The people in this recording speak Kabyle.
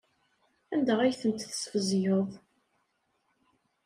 Anda ay tent-tesbezgeḍ?